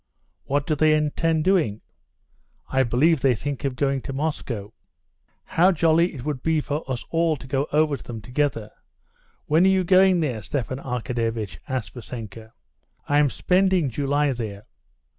"What do they intend doing?" "I believe they think of going to Moscow." "How jolly it would be for us all to go over to them together! When are you going there?" Stepan Arkadyevitch asked Vassenka. "I'm spending July there."